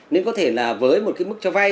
nên có thể là với một mức cho vay